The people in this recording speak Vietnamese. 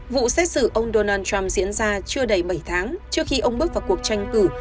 vụ xét xử ông donald trump diễn ra chưa đầy bảy tháng trước khi ông bước vào cuộc tranh cử